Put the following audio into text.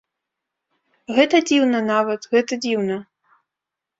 Гэта дзіўна нават, гэта дзіўна.